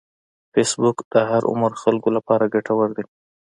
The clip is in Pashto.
فېسبوک د هر عمر خلکو لپاره ګټور دی